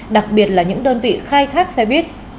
đặc biệt là những đơn vị khai thác xe buýt